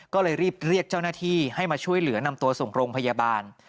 ก็เลยรีบเรียกเจ้าหน้าที่ให้มาช่วยเหลือนำตัวส่งโรงพยาบาล